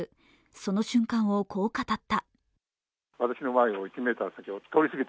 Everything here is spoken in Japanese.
その瞬間を、こう語った。